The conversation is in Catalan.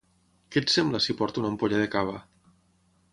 Què et sembla si porto una ampolla de cava?